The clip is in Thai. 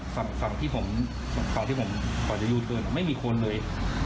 ฝั่งที่ผมอยู่เติมไม่มีคนเลย